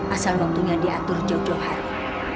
asal waktunya diatur jauh jauh hari